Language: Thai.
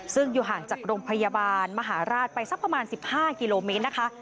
ซึ่งอยู่ห่างจากโรงพยาบาลมหาราชไปสักประมาณ๑๕กิโลเมตรนะคะ